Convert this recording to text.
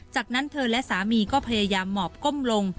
จากนั้นเธอและสามีก็พยายามหมอบก้มลง